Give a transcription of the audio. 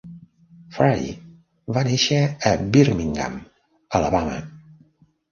Frye va néixer a Birmingham, Alabama.